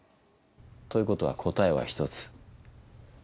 ということは答えは１つ。